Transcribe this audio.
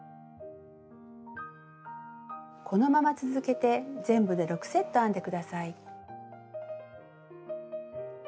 このまま続けて全部で６セット編んで下さい。